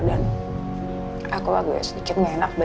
dan aku agak sedikit gak enak badan